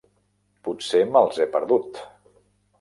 Potser me"ls he perdut.